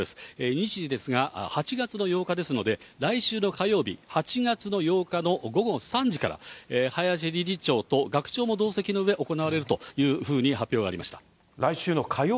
日時ですが、８月の８日ですので、来週の火曜日、８月の８日の午後３時から、林理事長と学長も同席のうえ、行われるというふうに発表がありました。